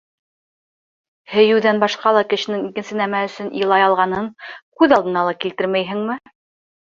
Һөйөүҙән башҡа ла кешенең икенсе нәмә өсөн илай алғанын күҙ алдына ла килтермәйһеңме?